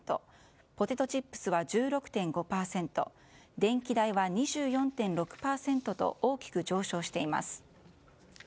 ポテトチップスは１６．５％電気代は２４．６％と大きく上昇しています。